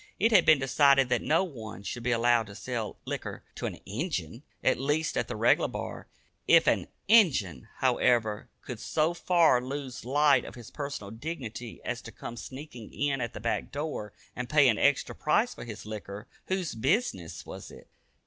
It had been decided that no one should be allowed to sell liquor to an "Injun" at least at the regular bar. If an "Injun," however, could so far lose sight of his personal dignity as to come sneaking in at the back door, and pay an extra price for his liquor, whose business was it?